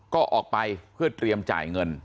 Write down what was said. ก็ออกไปเพื่อเตรียมจ่ายเงิน